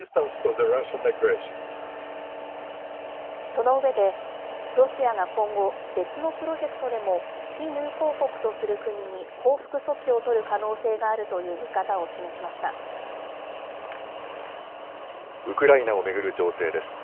その上で、ロシアが今後、別のプロジェクトでも非友好国とする国に報復措置を取る可能性がウクライナを巡る情勢です。